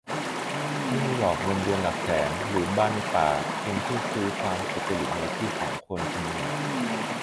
"ไม่มีหรอกเงินเดือนหลักแสน หรือบ้านในป่า เพียงเพื่อจะซื้อความสุจริตในอาชีพของคนคนหนึ่ง"